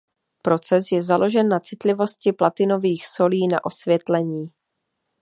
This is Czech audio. Proces je založen na citlivosti platinových solí na osvětlení.